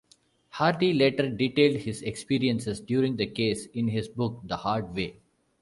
Hardy later detailed his experiences during the case in his book "The Hard Way".